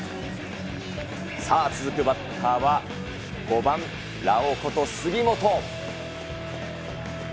さあ、続くバッターは、５番ラオウこと杉本。